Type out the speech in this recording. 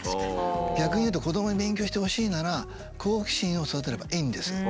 逆にいうと子どもに勉強してほしいなら好奇心を育てればいいんですよ。